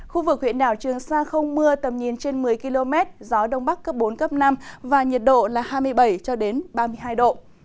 khu vực huyện đảo trường sa không mưa tầm nhìn trên một mươi km gió đông bắc cấp bốn cấp năm và nhiệt độ là hai mươi bảy ba mươi hai độ